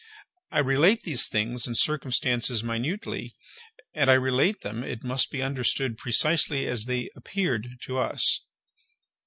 I relate these things and circumstances minutely, and I relate them, it must be understood, precisely as they _appeared_to us.